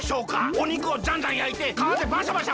おにくをジャンジャンやいてかわでバシャバシャ